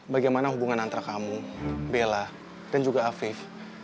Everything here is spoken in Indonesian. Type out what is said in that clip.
bagaimana hubungan antara kamu bella dan juga afif